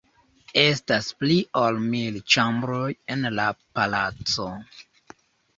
Estas pli ol mil ĉambroj en la palaco.